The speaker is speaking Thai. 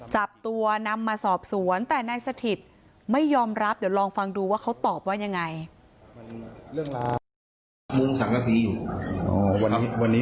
จับตัวนำมาสอบสวนแต่นายสถิตไม่ยอมรับเดี๋ยวลองฟังดูว่าเขาตอบว่ายังไง